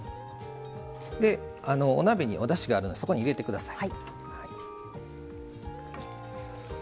お鍋におだしがあるのでそこに入れてください。